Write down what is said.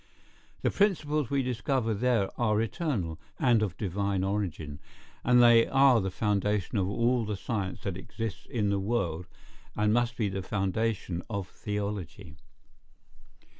The principles we discover there are eternal, and of divine origin: they are the foundation of all the science that exists in the world, and must be the foundation of theology.